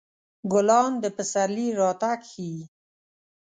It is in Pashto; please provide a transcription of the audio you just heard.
ګلان د پسرلي راتګ ښيي.